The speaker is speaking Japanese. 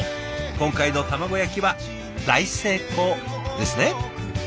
今回の卵焼きは大成功ですね？